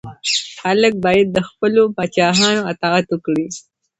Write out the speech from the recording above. خلګ باید د خپلو پاچاهانو اطاعت وکړي.